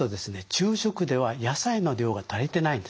昼食では野菜の量が足りてないんですね。